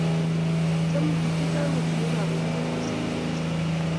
Chomei bik chechang kotinyei kaberuret kosir ngokisto